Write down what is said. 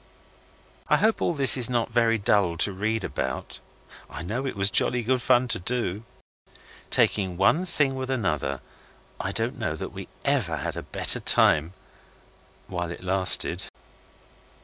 I hope all this is not very dull to read about. I know it was jolly good fun to do. Taking one thing with another, I don't know that we ever had a better time while it lasted.